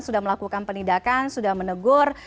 sudah melakukan penindakan sudah menegur